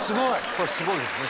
これはすごいですね。